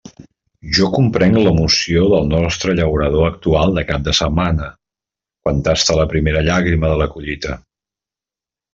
Jo comprenc l'emoció del nostre llaurador actual de cap de setmana quan tasta la primera llàgrima de la collita.